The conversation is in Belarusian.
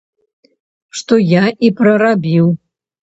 Што я і прарабіў.